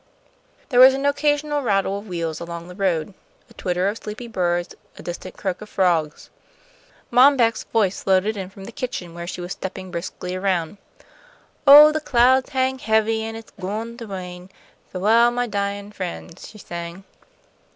There was an occasional rattle of wheels along the road, a twitter of sleepy birds, a distant croaking of frogs. Mom Beck's voice floated in from the kitchen, where she was stepping briskly around. "Oh, the clouds hang heavy, an' it's gwine to rain. Fa'well, my dyin' friends," she sang.